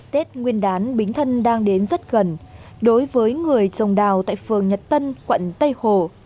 tết nguyên đán bính thân đang đến rất gần đối với người trồng đào tại phường nhật tân quận tây hồ